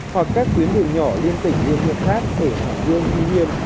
hoặc các tuyến đường nhỏ liên tịnh như việc khác ở hàng dương thiên hiên